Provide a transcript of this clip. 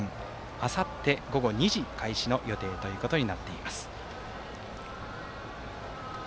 あさって午後２時開始の予定ということになっています。